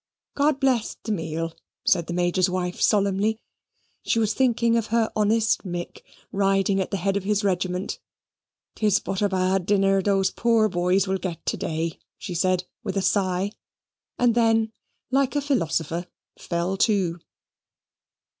"God bless the meat," said the Major's wife, solemnly: she was thinking of her honest Mick, riding at the head of his regiment: "'Tis but a bad dinner those poor boys will get to day," she said, with a sigh, and then, like a philosopher, fell to.